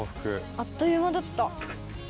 あっという間だった。